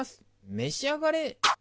召し上がれ！